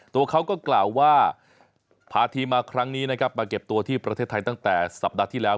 ตัวเขาก็กล่าวว่าพาทีมมาครั้งนี้นะครับมาเก็บตัวที่ประเทศไทยตั้งแต่สัปดาห์ที่แล้ว